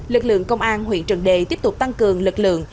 lực lượng công an huyện trần đề tiếp tục tăng cường lực lượng